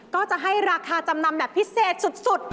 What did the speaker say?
ก็จะให้ราคาจำนำแบบพิเศษสุด